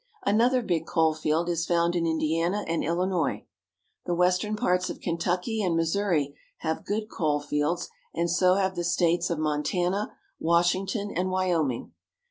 Another big coal field is found in Indiana and Illinois. The western parts of Kentucky and Missouri have good coal fields, and so have the states of Montana, Washing ton, and Wyoming.